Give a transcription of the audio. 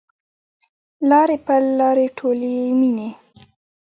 لارې پل لارې ټولي میینې